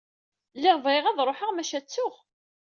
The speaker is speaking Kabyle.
Lliɣ bɣiɣ ad ruḥeɣ, maca ttuɣ.